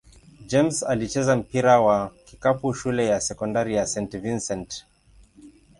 James alicheza mpira wa kikapu shule ya sekondari St. Vincent-St.